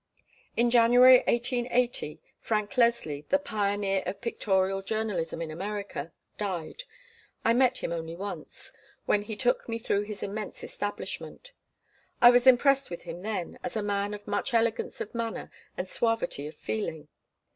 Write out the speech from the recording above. In January, 1880, Frank Leslie, the pioneer of pictorial journalism in America, died. I met him only once, when he took me through his immense establishment. I was impressed with him then, as a man of much elegance of manner and suavity of feeling.